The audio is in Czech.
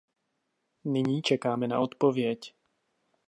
Nyní čekáme na odpověď.